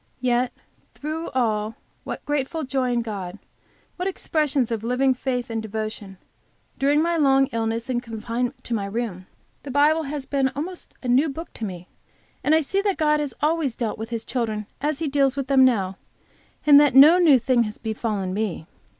Yet through it all what grateful joy in God, what expressions of living faith and devotion! During my long illness and confinement to my room, the Bible has been almost a new book to me, and I see that God has always dealt with His children as He deals with them now, and that no new thing has befallen me.